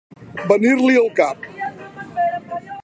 Venir-li al cap.